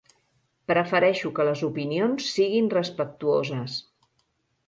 Prefereixo que les opinions siguin respectuoses.